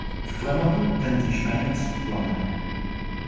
V klenotu tentýž fénix v plamenech.